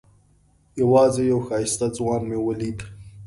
یوازې یو ښایسته ځوان مې ولید.